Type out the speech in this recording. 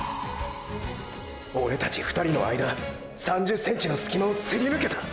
オレたち２人の間３０ｃｍのスキマをすり抜けた！！